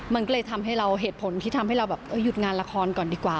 มันก็เลยทำให้เราเหตุผลที่ทำให้เราแบบหยุดงานละครก่อนดีกว่า